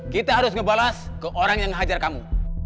kita harus ngebalas ke orang yang hajar kamu